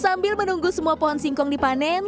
sambil menunggu semua pohon singkong dipanen